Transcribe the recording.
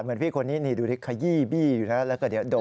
เหมือนพี่คนนี้นี่ดูดิขยี้บี้อยู่นะแล้วก็เดี๋ยวโดน